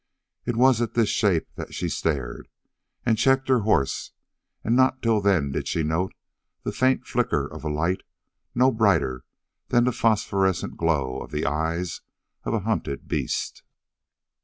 It was at this shape that she stared, and checked her horse, and not till then did she note the faint flicker of a light no brighter than the phosphorescent glow of the eyes of a hunted beast.